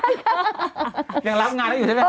ยังรับงานได้อยู่ใช่ไหม